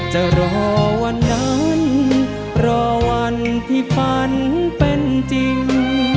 จะรอวันนั้นรอวันที่ฝันเป็นจริง